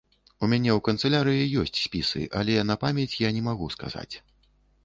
У мяне ў канцылярыі ёсць спісы, але на памяць я не магу сказаць.